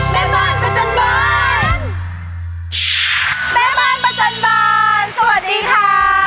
แม่บ้านประจำบานสวัสดีค่ะ